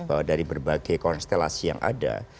bahwa dari berbagai konstelasi yang ada